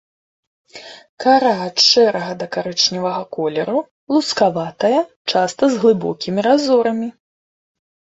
Кара ад шэрага да карычневага колеру, лускаватая, часта з глыбокімі разорамі.